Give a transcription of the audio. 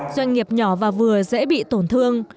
doanh nghiệp nhỏ và vừa dễ bị tổn thương